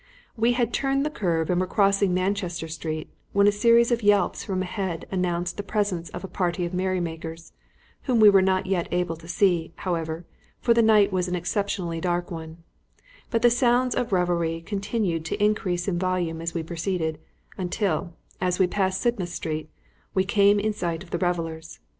We had turned the curve and were crossing Manchester Street, when a series of yelps from ahead announced the presence of a party of merry makers, whom we were not yet able to see, however, for the night was an exceptionally dark one; but the sounds of revelry continued to increase in volume as we proceeded, until, as we passed Sidmouth Street, we came in sight of the revellers.